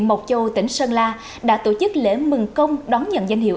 mộc châu tỉnh sơn la đã tổ chức lễ mừng công đón nhận danh hiệu